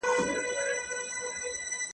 زه جلوه د کردګار یم زه قاتله د شیطان یم `